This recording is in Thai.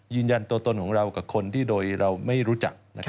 ยืนยันตัวตนของเรากับคนที่โดยเราไม่รู้จัก